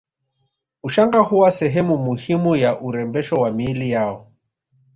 Ushanga huwa sehemu muhimu ya urembesho wa miili yao